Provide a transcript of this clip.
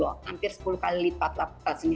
hampir sepuluh kali lipat lah